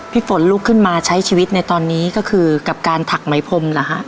ฝนลุกขึ้นมาใช้ชีวิตในตอนนี้ก็คือกับการถักไหมพรมเหรอฮะ